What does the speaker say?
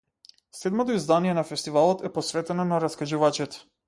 Седмото издание на фестивалот е посветено на раскажувачите.